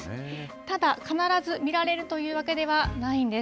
ただ、必ず見られるというわけではないんです。